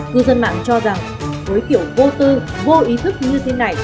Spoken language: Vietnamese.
cư dân mạng cho rằng với kiểu vô tư vô ý thức như thế này